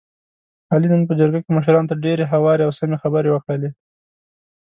علي نن په جرګه کې مشرانو ته ډېرې هوارې او سمې خبرې وکړلې.